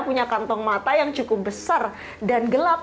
punya kantong mata yang cukup besar dan gelap